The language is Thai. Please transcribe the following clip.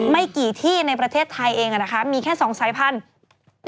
ไม่กี่ที่ในประเทศไทยเองนะคะมีแค่๒สายพันธุ์